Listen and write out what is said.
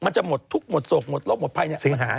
มันจะหมดทุกข์หมดโศกหมดโรคหมดภัยเนี่ย